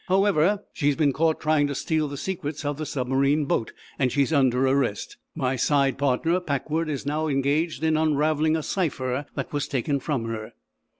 "However, she has been caught trying to steal the secrets of the submarine boat, and she's under arrest. My side partner, Packwood, is now engaged in unraveling a cipher that was taken from her."